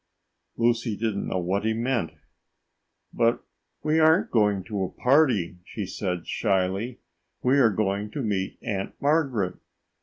Lucy didn't know what he meant. "But we aren't going to a party," she said shyly. "We are going to meet Aunt Margaret."